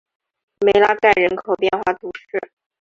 梅拉盖人口变化图示